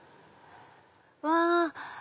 うわ！